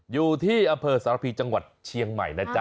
อยู่ที่อำเภอสารพีจังหวัดเชียงใหม่นะจ๊ะ